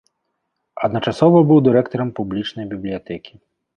Адначасова быў дырэктарам публічнай бібліятэкі.